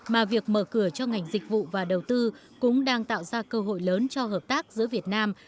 mà việc mở cửa cho ngành dịch vụ và đầu tư cũng đang tạo ra cơ hội lớn cho hợp tác giữa việt nam